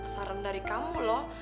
saran dari kamu loh